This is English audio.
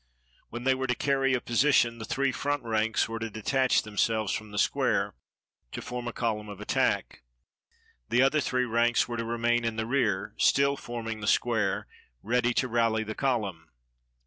When they were to carry a position, the three front 221 EGYPT ranks were to detach themselves from the square, and to form a column of attack. The other three ranks were to remain in the rear, still forming the square, ready to rally the column.